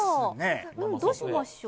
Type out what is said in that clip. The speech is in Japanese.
どうしましょう。